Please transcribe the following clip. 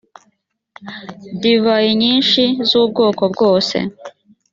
divayi nyinshi z’ubwoko bwose.